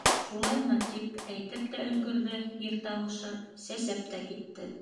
- Шулаймы... - тип әйтеп тә өлгөрҙө ир тауышы, сәсәп тә китте.